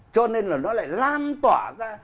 cho nên là nó lại lan tỏa ra